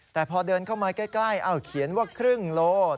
แต่พอเดินเข้ามาใกล้เขียนว่าครึ่งโล